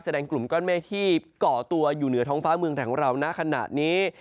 กลุ่มก้อนเมฆที่ก่อตัวอยู่เหนือท้องฟ้าเมืองไทยของเราณขณะนี้